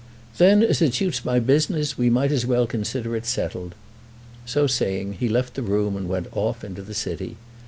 "Then, as it suits my business, we might as well consider it settled." So saying, he left the room and went off to the city.